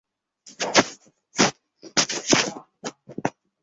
গ্যাসের দাম বাড়ার সিদ্ধান্ত নিয়ে গণশুনানি চলাকালে বিক্ষোভ সমাবেশ করেছে গণসংহতি আন্দোলন।